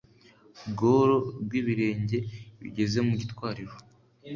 bworo bw ibirenge bigeza mu gitwariro